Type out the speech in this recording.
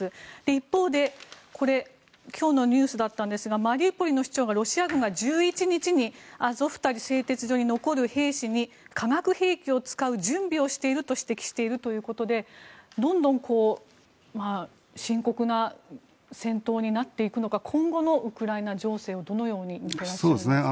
一方で今日のニュースだったんですがマリウポリの市長がロシア軍が１１日にアゾフスタリ製鉄所に残る兵士に化学兵器を使う準備をしていると指摘しているということでどんどん深刻な戦闘になっていくのか今後のウクライナ情勢をどのように見ていらっしゃいますか。